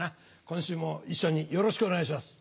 今週も一緒によろしくお願いします。